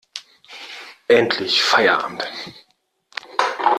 Endlich Feierabend!